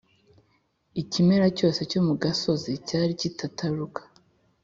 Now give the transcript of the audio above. ikimera cyose cyo mu gasozi cyari kitataruka